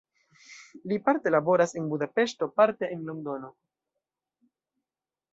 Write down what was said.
Li parte laboras en Budapeŝto, parte en Londono.